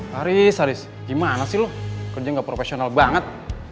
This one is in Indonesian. haris haris gimana sih lo kerja gak profesional banget